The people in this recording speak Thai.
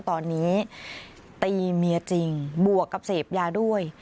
ตอนนี้ตีเมียจริงบวกกับเสพยาด้วย